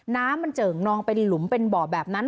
น้ำมันเจิ่งนองเป็นหลุมเป็นบ่อแบบนั้น